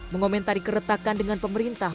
mengomentari keretakan dengan pemerintah